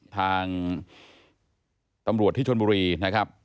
ทางตำรวจที่ชนบุรีนะครับ